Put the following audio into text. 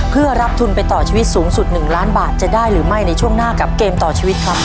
เพื่อรับทุนไปต่อชีวิตสูงสุด๑ล้านบาทจะได้หรือไม่ในช่วงหน้ากับเกมต่อชีวิตครับ